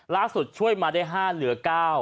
ล่าสุดช่วยมาได้๕เหลือ๙